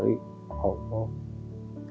kehidupan memang tidak selamanya